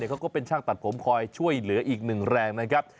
เขาก็เป็นช่างตัดผมคอยช่วยเหลืออีกหนึ่งแรงนะครับ